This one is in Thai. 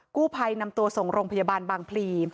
กู้ภัยนำตัวส่งโรงพยาบาลบางพลี